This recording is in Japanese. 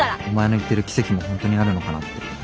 お前の言ってる奇跡も本当にあるのかなって。